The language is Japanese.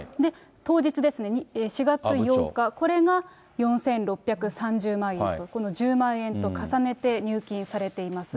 当日ですね、４月８日、これが４６３０万円と、この１０万円と重ねて入金されています。